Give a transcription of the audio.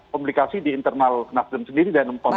komplikasi di internal nasdem sendiri dan